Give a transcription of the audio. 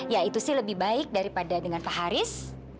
ya itu sih lebih baik daripada dengan pak haris